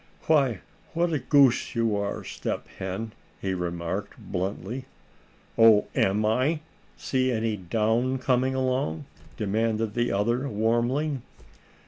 "Why, what a goose you are, Step Hen," he remarked, bluntly. "Oh! am I? See any down coming along?" demanded the other, warmly.